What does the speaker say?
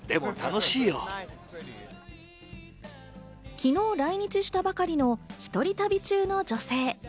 昨日来日したばかりの、一人旅中の女性。